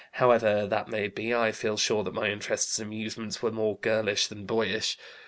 However that may be, I feel sure that my interests and amusements were more girlish than boyish.